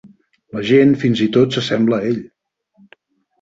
La gent fins i tot s'assembla a ell.